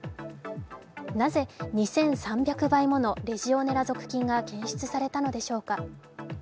なぜ２３００倍ものレジオネラ属菌が検出されたのでしょうか？